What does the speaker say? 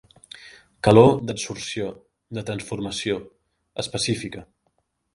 Calor d'adsorció, de transformació, específica.